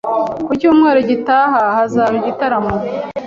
Ku cyumweru gitaha hazaba igitaramo.